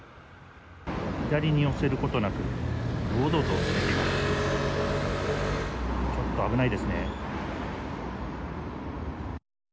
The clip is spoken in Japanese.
左に寄せることなく堂々と止めています。